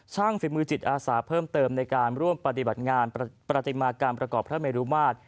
ฝีมือจิตอาสาเพิ่มเติมในการร่วมปฏิบัติงานประติมากรรมประกอบพระเมรุมาตร